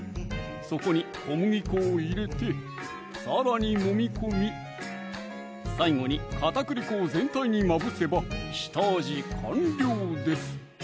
そこに小麦粉を入れてさらにもみ込み最後に片栗粉を全体にまぶせば下味完了です！